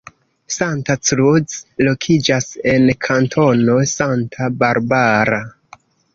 Santa Cruz lokiĝas en Kantono Santa Barbara.